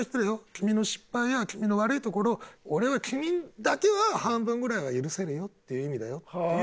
君の失敗や君の悪いところを俺は君だけは半分ぐらいは許せるよっていう意味だよっていう。